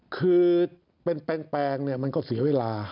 คือเป็นแปลงมันก็เสียเวลา